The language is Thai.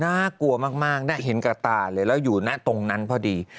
น่ากลัวมากน่าเห็นกับตาเลยแล้วอยู่นะตรงนั้นพอดี